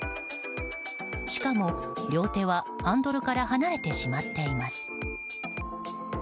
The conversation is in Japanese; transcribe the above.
しかも、両手はハンドルから離れてしまっています。